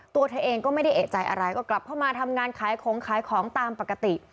ตัวเธอเองก็ไม่ได้เอกใจอะไรก็กลับเข้ามาทำงานขายของขายของตามปกติ